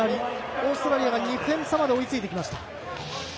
オーストラリアが２点差まで追いついてきました。